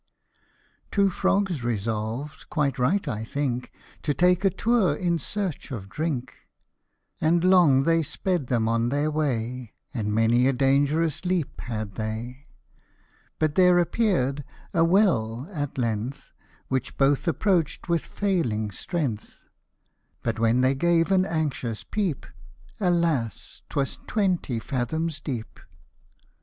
Two frogs resolved (quite right I think) To take a tour in search of drink ; And long they sped them on their way, And many a dangerous leap had they ; But there appear'd a well at length, Which both approach'd with failing strength ; But when they gave an anxious peep^, Alas ! 'twas twenty fathoms deep